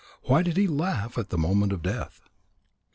Why did he laugh at the moment of death?